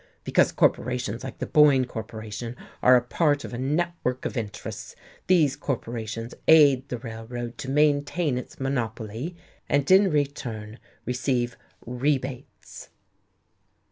Because corporations like the Boyne corporation are a part of a network of interests, these corporations aid the Railroad to maintain its monopoly, and in return receive rebates."